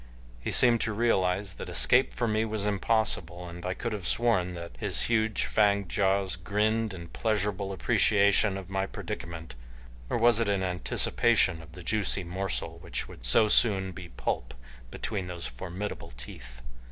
He seemed to realize that escape for me was impossible, and I could have sworn that his huge, fanged jaws grinned in pleasurable appreciation of my predicament, or was it in anticipation of the juicy morsel which would so soon be pulp between those formidable teeth?